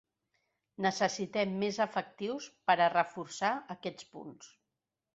Necessitem més efectius per a reforçar aquests punts.